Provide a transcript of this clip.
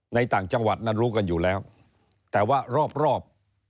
ต่างจังหวัดนั้นรู้กันอยู่แล้วแต่ว่ารอบรอบ